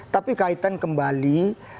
tapi kaitan kembali